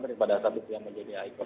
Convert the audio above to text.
daripada satu yang menjadi ikon